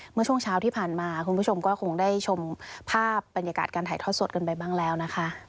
เมื่อช่วงเช้าที่ผ่านมาคุณผู้ชมก็คงได้ชมภาพบรรยากาศการถ่ายทอดสดกันไปบ้างแล้วนะคะ